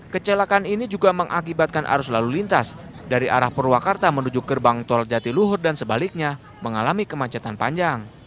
kecelakaan ini juga mengakibatkan arus lalu lintas dari arah purwakarta menuju gerbang tol jatiluhur dan sebaliknya mengalami kemacetan panjang